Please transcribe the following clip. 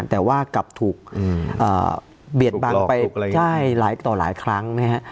แต่ว่ากลับถูกเบียดบังไปใช่หลายต่อหลายครั้งนะฮะ